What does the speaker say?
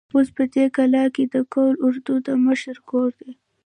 اوس په دې کلا کې د قول اردو د مشر کور دی.